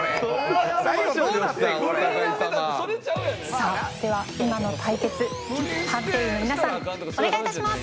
さあでは今の対決判定員の皆さんお願いいたします！